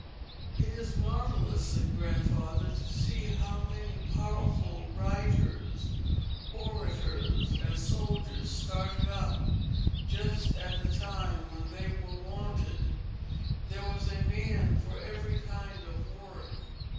"It is marvellous," said Grandfather, "to see how many powerful writers, orators, and soldiers started up, just at the time when they were wanted. There was a man for every kind of work.